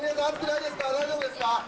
大丈夫ですか？